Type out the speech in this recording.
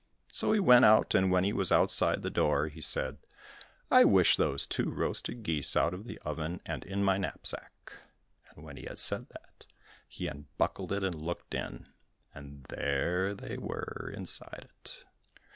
So he went out, and when he was outside the door, he said, "I wish those two roasted geese out of the oven and in my knapsack," and when he had said that, he unbuckled it and looked in, and there they were inside it.